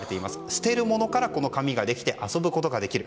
捨てるものからこの紙ができて遊ぶことができる。